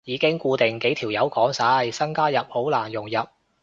已經固定幾條友講晒，新加入好難融入